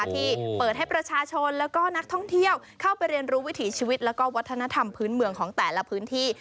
ที่เปิดให้ประชาชนแล้วก็นักท่องเที่ยวเข้าไปเรียนรู้วิถีชีวิตและวัฒนธรรมพื้นเมืองของแต่ละพื้นที่